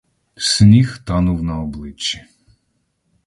Сніг танув на обличчі.